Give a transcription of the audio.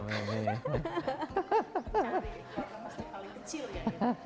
paling kecil ya